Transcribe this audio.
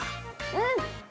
うん！